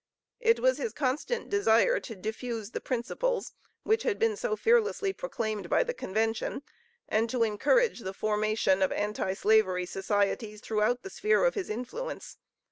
It was his constant desire to diffuse the principles which had been so fearlessly proclaimed by the Convention, and to encourage the formation of Anti slavery societies throughout the sphere of his influence.